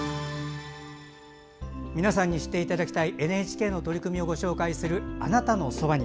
皆さんに知っていただきたいＮＨＫの取り組みをご紹介する「あなたのそばに」。